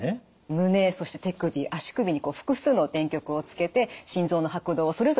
胸そして手首足首に複数の電極をつけて心臓の拍動をそれぞれ調べていきます。